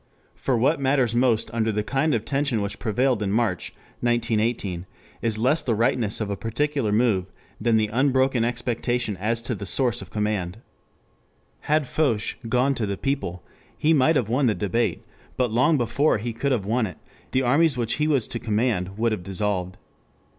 For what matters most under the kind of tension which prevailed in March, 1918, is less the rightness of a particular move than the unbroken expectation as to the source of command. Had Foch "gone to the people" he might have won the debate, but long before he could have won it, the armies which he was to command would have dissolved.